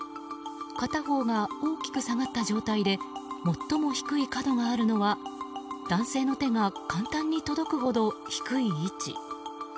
片方が大きく下がった状態で最も低い角があるのは男性の手が簡単に届くほど低い位置。